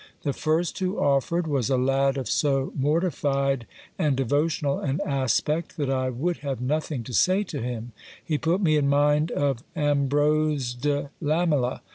The first who offered was a lad of so mortified and devotional an aspect, that I would have nothing to say to him ; he put me in mind of Am brose de Lamela.